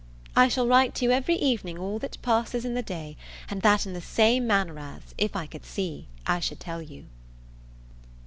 I shall write to you every evening all that passes in the day, and that in the same manner as, if I could see, I should tell you.